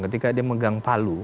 ketika dia megang palu